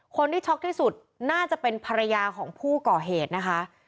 ช็อกที่สุดน่าจะเป็นภรรยาของผู้ก่อเหตุนะคะ